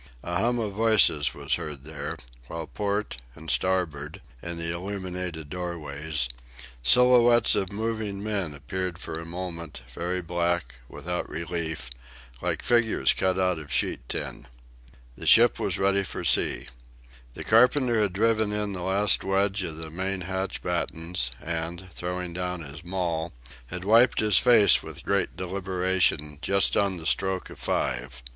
A hum of voices was heard there, while port and starboard, in the illuminated doorways, silhouettes of moving men appeared for a moment, very black, without relief, like figures cut out of sheet tin. The ship was ready for sea. The carpenter had driven in the last wedge of the mainhatch battens, and, throwing down his maul, had wiped his face with great deliberation, just on the stroke of five.